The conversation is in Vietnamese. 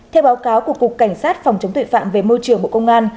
theo báo cáo của cục cảnh sát phòng chống tuệ phạm về môi trường bộ công an